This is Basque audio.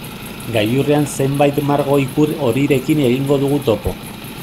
Gailurrean zenbait margo-ikur horirekin egingo dugu topo.